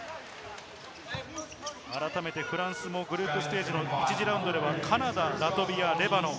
改めてフランスもグループステージ１次ラウンドではカナダ、ラトビア、レバノン。